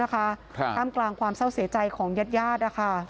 ท่ามกลางความเศร้าเสียใจของญาติ